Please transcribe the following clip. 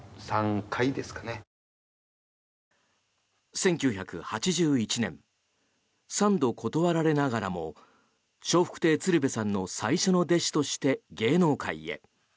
１９８１年３度断られながらも笑福亭鶴瓶さんの最初の弟子として芸能界へ。